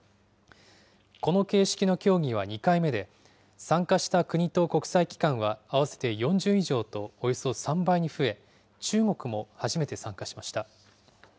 この形式の協議は２回目で、参加した国と国際機関は合わせて４０以上と、およそ３倍に増え、中国も初めて参加しました。